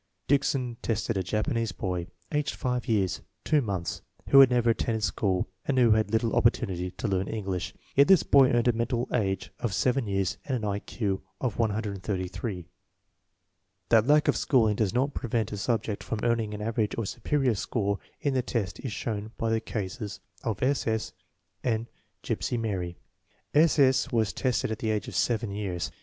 Dickson tested a Japanese boy, aged five years, two months, who had never attended school and who had had little opportunity to learn English; yet this boy earned a mental age of seven years and an I Q of 133. PBINCIPLES OF INTELLIGENCE TESTING IS That lack of schooling does not prevent a subject from earning an average or superior score in the test is shown by the cases of S. S. and Gypsy Mary. S. S. was tested at the age of seven years.